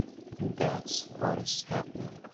That’s what is happening.